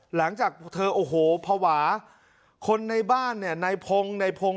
หลังจากเธอโอ้โหภาวะคนในบ้านเนี่ยในพงศ์ในพงศ